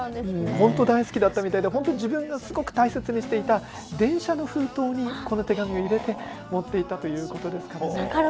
大好きだったみたいで自分がすごく大切にしていた電車の封筒に入れて持っていたということなんです。